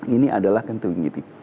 ini adalah kentungan gitu